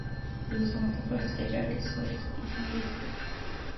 He was one of the first sketch artists for expedition research.